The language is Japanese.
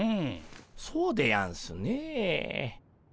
そうでやんすねえ。